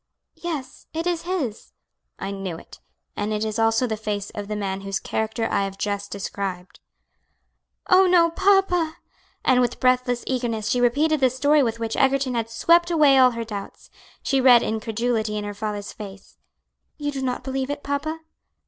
"Yes, it is his." "I knew it, and it is also the face of the man whose character I have just described." "Oh, no, papa!" and with breathless eagerness she repeated the story with which Egerton had swept away all her doubts. She read incredulity in her father's face, "You do not believe it, papa?"